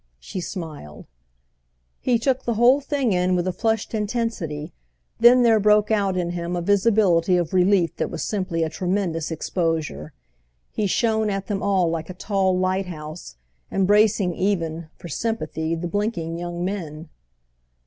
she smiled. He took the whole thing in with a flushed intensity; then there broke out in him a visibility of relief that was simply a tremendous exposure. He shone at them all like a tall lighthouse, embracing even, for sympathy, the blinking young men.